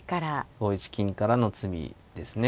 ５一金からの詰みですね。